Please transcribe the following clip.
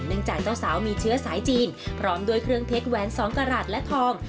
จากเจ้าสาวมีเชื้อสายจีนพร้อมด้วยเครื่องเพชรแหวนสองกระหลาดและทอง